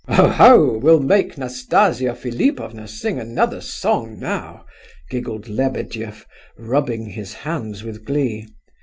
"Oho! we'll make Nastasia Philipovna sing another song now!" giggled Lebedeff, rubbing his hands with glee.